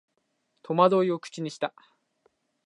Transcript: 戸惑いを口にした